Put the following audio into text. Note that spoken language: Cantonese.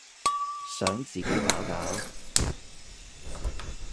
想自己搞搞